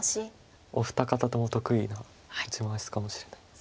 お二方とも得意な打ち回しかもしれないです。